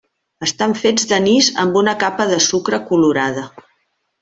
Estan fets d'anís amb una capa de sucre colorada.